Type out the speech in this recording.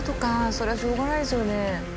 それはしょうがないですよね。